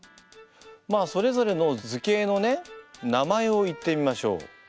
まあそれぞれの図形のね名前を言ってみましょう。